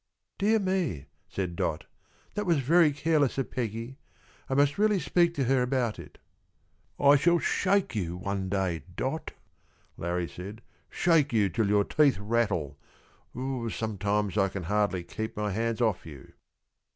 "Dear me," said Dot, "that was very careless of Peggie; I must really speak to her about it." "I shall shake you some day, Dot," Larrie said, "shake you till your teeth rattle. Sometimes I can hardly keep my hands off you."